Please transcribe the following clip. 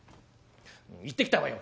行ってきたわよ」。